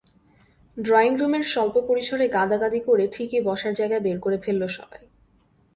ড্রয়িংরুমের স্বল্প পরিসরে গাদাগাদি করে ঠিকই বসার জায়গা বের করে ফেলল সবাই।